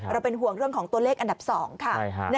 เราเป็นห่วงเรื่องของตัวเลขอันดับ๒ค่ะ